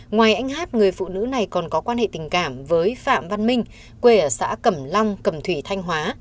ngoài anh hát người phụ nữ này còn có quan hệ tình cảm với phạm văn minh quê ở xã cẩm long cẩm thủy thanh hóa